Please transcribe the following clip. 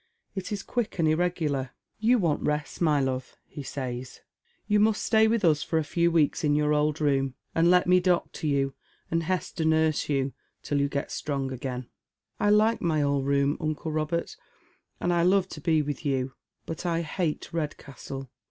It is quick and irregular. You want rest, my love," he says, " you must stay with lu 37& SeaA Men's Shoes. for a few weeks in your old room, and let me doctor you, and Hester niurse you, till you get strong again." " I like my old room, uncle Eobert, and I love to be with you, out I hate Redcastle.